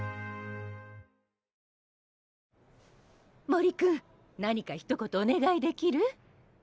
森君何かひと言お願いできる？